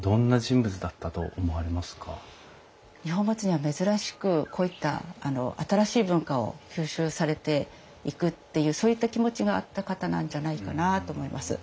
二本松には珍しくこういった新しい文化を吸収されていくっていうそういった気持ちがあった方なんじゃないかなと思います。